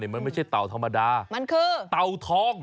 มันไม่ใช่เต่าธรรมดามันคือเต่าทอง